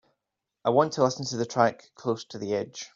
I want to listen to the track Close To The Edge